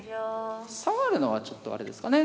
下がるのはちょっとあれですかね？